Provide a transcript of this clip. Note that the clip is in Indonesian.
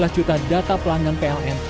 empat belas juta data pelanggan pln